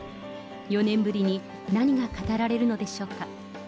４年ぶりに何が語られるのでしょうか。